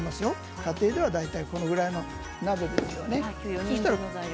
家庭では大体これぐらいのお鍋ですよね。